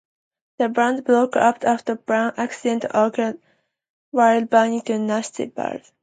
The band broke up after a van accident occurred while driving back to Nashville.